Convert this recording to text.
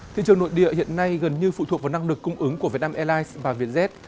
thị trường nội địa hiện nay gần như phụ thuộc vào năng lực cung ứng của vietnam airlines và vietjet